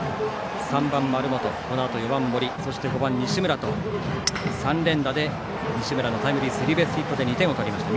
３番、丸本４番、森そして５番、西村と３連打で西村のタイムリースリーベースヒットで２点を取りました。